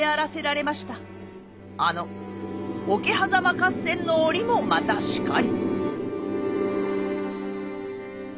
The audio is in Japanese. あの桶狭間合戦の折もまたしかり。